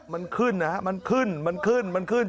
มันขึ้นนะฮะมันขึ้น